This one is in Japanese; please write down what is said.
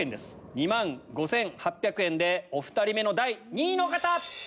２万５８００円でお２人目の第２位の方！え⁉